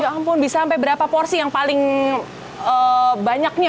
ampun bisa sampai berapa porsi yang paling banyaknya